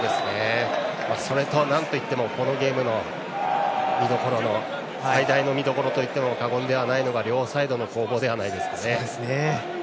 それと、なんといってもこのゲームの最大の見どころといっても過言ではないのが両サイドの攻防ではないですかね。